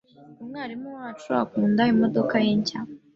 Umwarimu wacu akunda imodoka ye nshya.